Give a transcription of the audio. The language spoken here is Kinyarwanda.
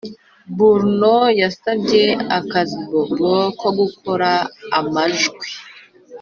buruno yasabye akazi bobo ko gukora amajwi